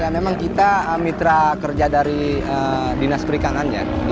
ya memang kita mitra kerja dari dinas perikanan ya